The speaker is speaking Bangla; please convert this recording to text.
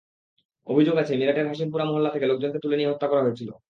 অভিযোগ আছে, মিরাটের হাশিমপুরা মহল্লা থেকে লোকজনকে তুলে নিয়ে হত্যা করা হয়েছিল।